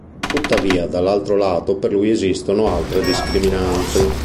Tuttavia dall'altro lato per lui esistono altre discriminanti.